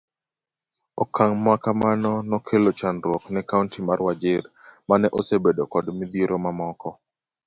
Okang' makamano nokelo chandruok ne Kaunti mar Wajir mane osebedo kod midhiero mamoko.